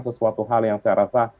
sesuatu hal yang saya rasa